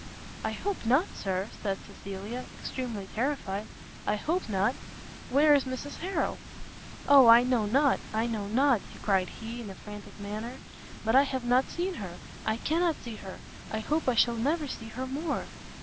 "I hope not, Sir!" said Cecilia, extremely terrified, "I hope not! Where is Mrs Harrel?" "O I know not! I know not!" cried he, in a frantic manner, "but I have not seen her, I cannot see her, I hope I shall never see her more!